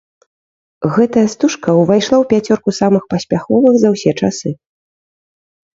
Гэтая стужка ўвайшла ў пяцёрку самых паспяховых за ўсе часы!